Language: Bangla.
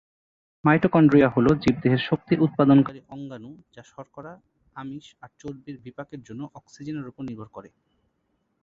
মাইটোকন্ড্রিয়া হল জীবদেহের শক্তি উৎপাদনকারী অঙ্গাণু যা শর্করা, আমিষ আর চর্বির বিপাকের জন্য অক্সিজেনের উপর নির্ভর করে।